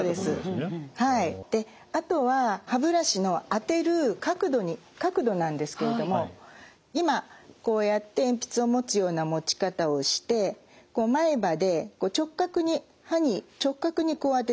であとは歯ブラシのあてる角度なんですけれども今こうやって鉛筆を持つような持ち方をしてこう前歯で直角に歯に直角にこうあてていきます。